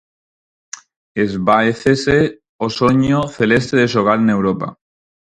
Esvaécese o soño celeste de xogar en Europa.